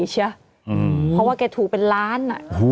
เพราะว่าแกถูกเป็นล้าน